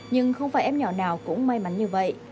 nhưng không phải em nhỏ nào cũng may mắn như vậy